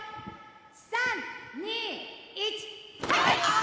３、２、１、はい！